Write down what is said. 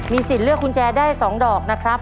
สิทธิ์เลือกกุญแจได้๒ดอกนะครับ